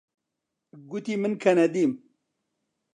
گوتی من کەنەدیم.